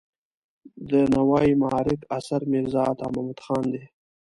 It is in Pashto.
د نوای معارک اثر میرزا عطا محمد خان دی.